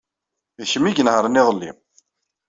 D kemm ay inehṛen iḍelli.